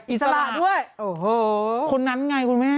อิสระด้วยโอ้โหคนนั้นไงคุณแม่